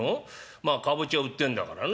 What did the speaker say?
「まあかぼちゃ売ってんだからな」。